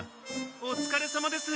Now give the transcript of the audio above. おつかれさまです！